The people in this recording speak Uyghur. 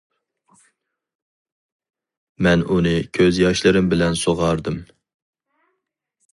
مەن ئۇنى كۆز ياشلىرىم بىلەن سۇغاردىم.